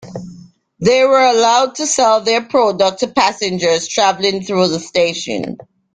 They were allowed to sell their product to passengers travelling through the station.